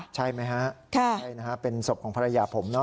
ใช่ไหมคะเป็นศพของภรรยาผม